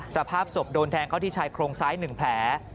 สภาพศพโดนแทงเข้าที่ชายโครงซ้าย๑แผล